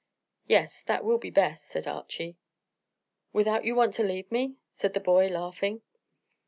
"Yes, that will be best," said Archy. "Without you want to leave me?" said the boy, laughing.